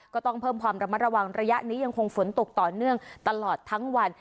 ก็ต้องเพิ่มความระมัดระวังระยะนี้ยังคงฝนตกต่อเนื่องตลอดทั้งวัน